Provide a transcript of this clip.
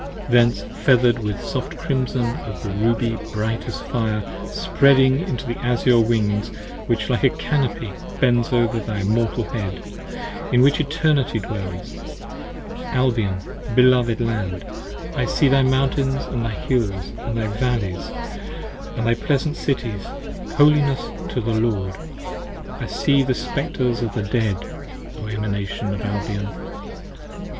Thence feather'd with soft crimson of the ruby bright as fire Spreading into the azure Wings which like a canopy 10 Bends over thy immortal Head, in which Eternity dwells. Albion, beloved Land! I see thy mountains & thy hills And valleys & thy pleasant Cities, Holiness to the Lord. I see the Spectres of thy Dead, O Emanation of Albion.